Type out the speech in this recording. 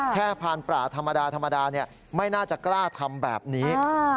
พานป่าธรรมดาไม่น่าจะกล้าทำแบบนี้